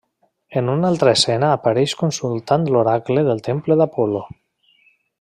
En una altra escena apareix consultant l'Oracle del temple d'Apol·lo.